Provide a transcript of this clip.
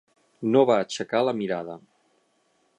No va aixecar la mirada.